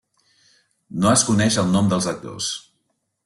No es coneix el nom dels actors.